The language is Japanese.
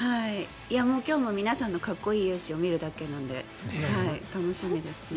今日も皆さんのかっこいい雄姿を見るだけなので楽しみですね。